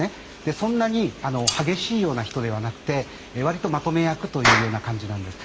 そんなに激しいような人ではなくてわりとまとめ役というような感じなんです。